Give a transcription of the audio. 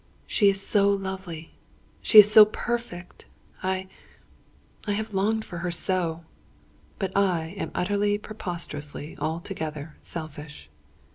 She is so lovely she is so perfect! I I have longed for her so! But I am utterly, preposterously, altogether, selfish!"